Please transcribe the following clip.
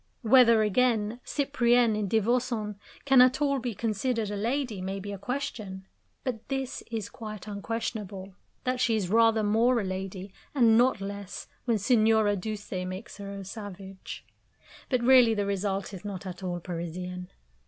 Whether, again, Cyprienne, in Divorcons, can at all be considered a lady may be a question; but this is quite unquestionable that she is rather more a lady, and not less, when Signora Duse makes her a savage. But really the result is not at all Parisian.